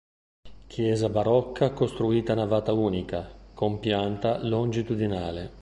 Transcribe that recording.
Chiesa barocca costruita a navata unica, con pianta longitudinale.